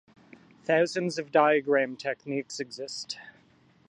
Thousands of diagram techniques exist.